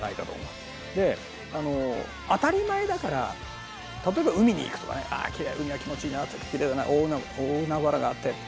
であの当たり前だから例えば海に行くと海は気持ちいいなってきれいだな大海原があってって。